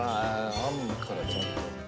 あんからちゃんと。